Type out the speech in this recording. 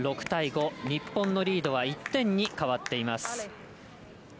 ６対５、日本のリードは１点に変わっています。